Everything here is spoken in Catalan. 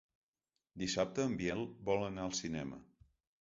Dissabte en Biel vol anar al cinema.